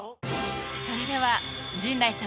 それでは陣内様